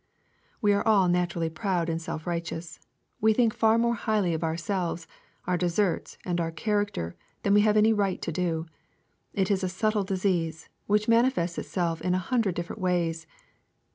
We are all naturally proud and self righteous. We think far more highly of ourselves, our deserts, and our character, than we have any right to do. It is a subtle disease, which manifests itself in a hundred different ways.